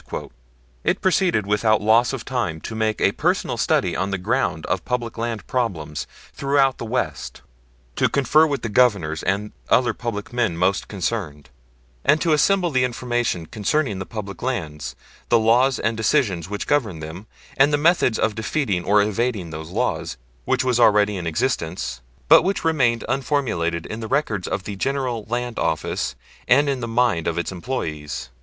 It proceeded without loss of time to make a personal study on the ground of public land problems throughout the West, to confer with the Governors and other public men most concerned, and to assemble the information concerning the public lands, the laws and decisions which governed them, and the methods of defeating or evading those laws, which was already in existence, but which remained unformulated in the records of the General Land Office and in the mind of its employees.